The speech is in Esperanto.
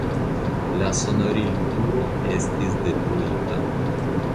La sonorilturo estis detruita.